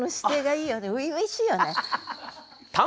初々しいよね。